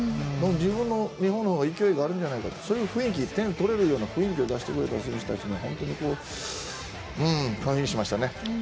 自分の日本の方が勢いがあるんじゃないかとそういう点を取れるような雰囲気を出してくれた選手たちに本当に感激しましたね。